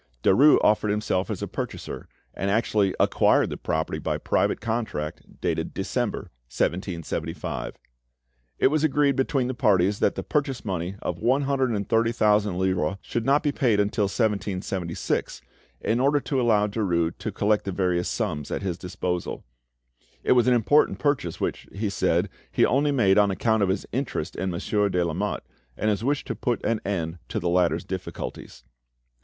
Derues offered himself as a purchaser, and actually acquired the property by private contract, dated December, 1775. It was agreed between the parties that the purchase money of one hundred and thirty thousand livres should not be paid until 1776, in order to allow Derues to collect the various sums at his disposal. It was an important purchase, which, he said, he only made on account of his interest in Monsieur de Lamotte, and his wish to put an end to the latter's difficulties.